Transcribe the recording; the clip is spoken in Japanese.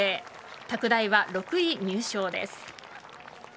拓大は６位入賞です。